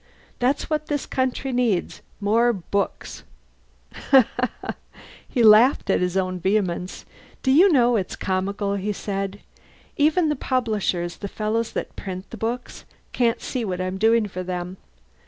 That's what this country needs more books!" He laughed at his own vehemence. "Do you know, it's comical," he said. "Even the publishers, the fellows that print the books, can't see what I'm doing for them.